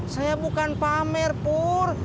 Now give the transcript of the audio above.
saya bukan pamer purr